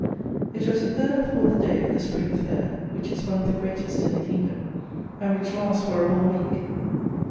It was the third or fourth day of the Spring fair, which is one of the greatest in the kingdom, and which lasts for a whole week.